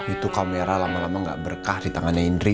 itu kamera lama lama gak berkah di tangannya indri